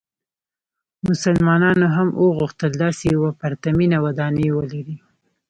مسلمانانو هم وغوښتل داسې یوه پرتمینه ودانۍ ولري.